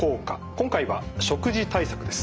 今回は食事対策です。